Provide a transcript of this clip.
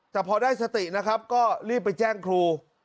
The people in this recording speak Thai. แต่พอได้สตินะครับก็รีบไปแจ้งครู